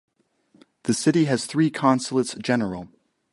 The city has three consulates general.